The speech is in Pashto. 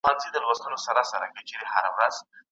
الله د زمان محدود نه دی.